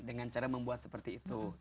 dengan cara membuat seperti itu